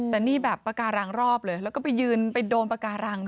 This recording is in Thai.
แต่นี่แบบปากการังรอบเลยแล้วก็ไปยืนไปโดนปากการัง